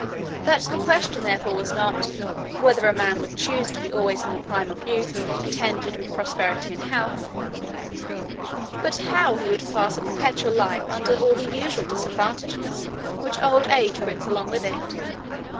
That the question therefore was not, whether a man would choose to be always in the prime of youth, attended with prosperity and health; but how he would pass a perpetual life under all the usual disadvantages which old age brings along with it.